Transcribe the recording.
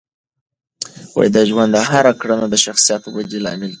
د ژوند هره کړنه د شخصیت ودې لامل ده.